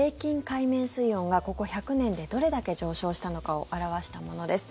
海面水温がここ１００年でどれだけ上昇したのかを表したものです。